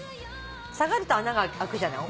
下がると穴があくじゃない。